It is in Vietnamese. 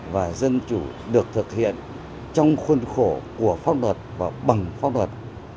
và dân chủ được thực hiện trong khuôn khổ của pháp luật và bằng pháp luật